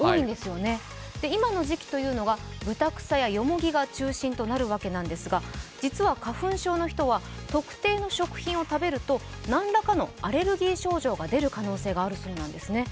今の時期というのはぶたくさやよもぎが中心となるわけですが実は花粉症の人は特定の食品を食べると、何らかのアレルギー症状が出る可能性があるそうなんですね。